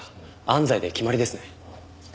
安西で決まりですね。